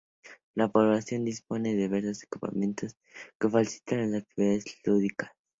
La población dispone de diversos equipamientos que facilitan las actividades lúdicas.